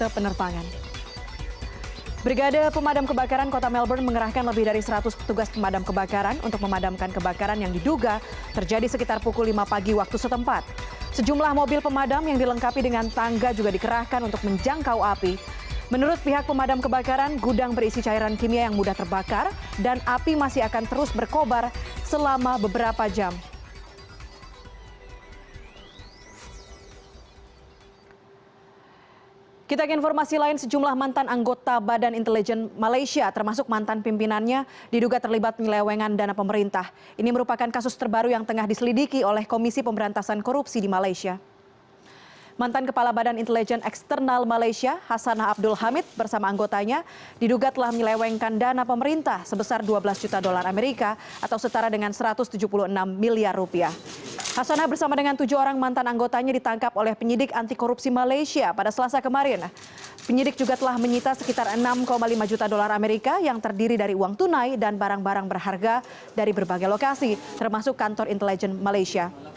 penyidik juga telah menyita sekitar enam lima juta dolar amerika yang terdiri dari uang tunai dan barang barang berharga dari berbagai lokasi termasuk kantor intelijen malaysia